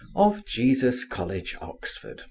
of Jesus college, Oxon.